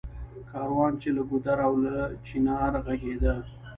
کاروان چــــې له ګـــــودره او له چنار غـــږېده